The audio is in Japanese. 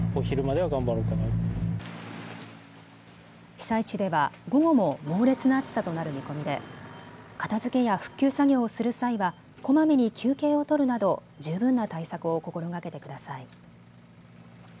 被災地では午後も猛烈な暑さとなる見込みで片づけや復旧作業をする際はこまめに休憩を取るなど十分な対策を心がけてください。